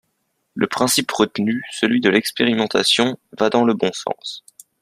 Le principe retenu, celui de l’expérimentation, va dans le bon sens.